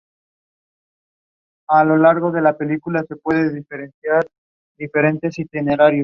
Para montañeros medianamente experimentados la ascensión lleva unas siete horas.